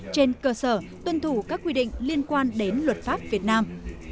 trên cơ sở tuân thủ các quy định liên quan đến luật pháp việt nam